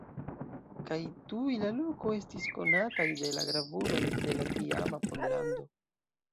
Kaj tuj la loko estis konataj de la gravuloj de la tiama Pollando.